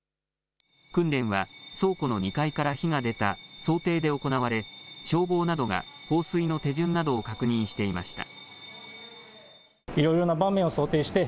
訓練は、倉庫の２階から火が出た想定で行われ、消防などが放水の手順などを確認していました。